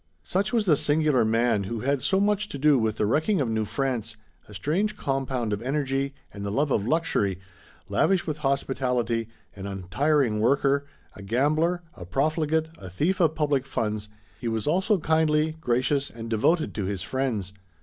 Such was the singular man who had so much to do with the wrecking of New France, a strange compound of energy and the love of luxury, lavish with hospitality, an untiring worker, a gambler, a profligate, a thief of public funds, he was also kindly, gracious and devoted to his friends.